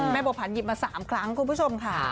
แม่โบพันธ์หยิบมา๓ครั้งคุณผู้ชมค่ะ